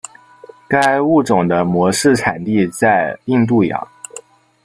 该物种的模式产地在印度洋。